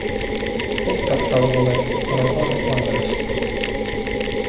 Туҡтап та алғылай — ҡоралға һоҡланыр өсөн.